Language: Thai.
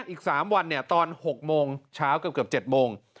อีก๓วันตอน๖โมงเช้าเกือบ๗โมง